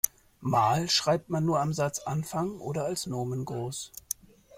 Mal schreibt man nur am Satzanfang oder als Nomen groß.